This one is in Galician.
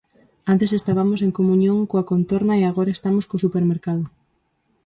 Antes estabamos en comuñón coa contorna e agora o estamos co supermercado.